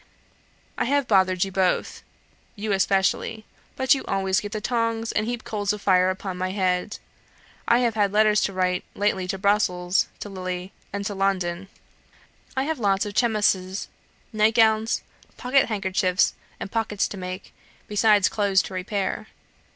I have bothered you both you especially; but you always get the tongs and heap coals of fire upon my head. I have had letters to write lately to Brussels, to Lille, and to London. I have lots of chemises, nightgowns, pocket handkerchiefs, and pockets to make; besides clothes to repair.